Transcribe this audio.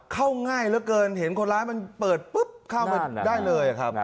ง่ายเหลือเกินเห็นคนร้ายมันเปิดปุ๊บเข้าไปได้เลยครับ